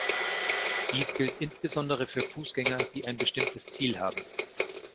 Dies gilt insbesondere für Fußgänger, die ein bestimmtes Ziel haben.